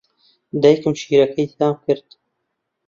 دایکم شیرەکەی تام کرد.